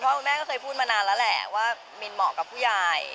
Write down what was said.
คุณแม่ก็เคยพูดมานานแล้วแหละว่ามินเหมาะกับผู้ใหญ่